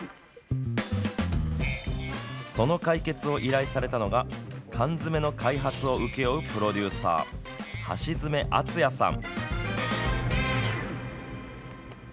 その解決を依頼されたのが缶詰の開発を請け負うプロデューサー橋爪敦哉さん。